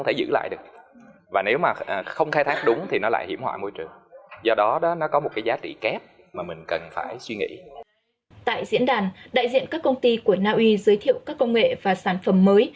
tại diễn đàn đại diện các công ty của naui giới thiệu các công nghệ và sản phẩm mới